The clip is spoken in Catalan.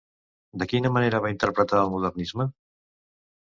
De quina manera va interpretar el modernisme?